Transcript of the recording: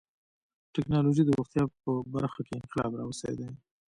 ټکنالوجي د روغتیا په برخه کې انقلاب راوستی دی.